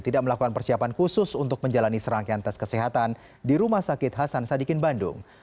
tidak melakukan persiapan khusus untuk menjalani serangkaian tes kesehatan di rumah sakit hasan sadikin bandung